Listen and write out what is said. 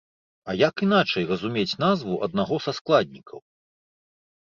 А як іначай разумець назву аднаго са складнікаў?